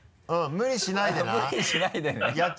無理しないでね。